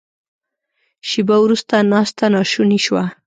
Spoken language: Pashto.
شیبه وروسته ناسته ناشونې شوه.